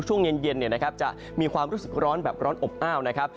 ช่วงเย็นจะมีความรู้สึกร้อนแบบร้อนอบอ้าวนะครับ